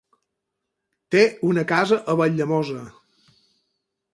Té una casa a Valldemossa.